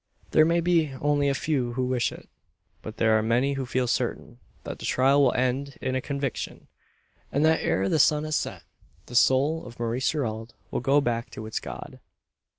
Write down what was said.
There may be only a few who wish it. But there are many who feel certain, that the trial will end in a conviction; and that ere the sun has set, the soul of Maurice Gerald will go back to its God!